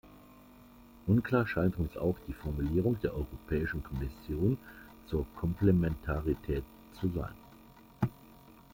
Unklar scheint uns auch die Formulierung der Europäischen Kommission zur Komplementarität zu sein.